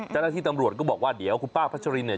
เจ้าหน้าที่ตำรวจก็บอกว่าเดี๋ยวคุณป้าพัชรินเนี่ย